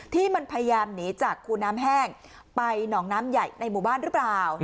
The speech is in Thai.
ที่มันพยายามหนีจากคูน้ำแห้งไปหนองน้ำใหญ่ในหมู่บ้านหรือเปล่า